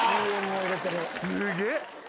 すげえ。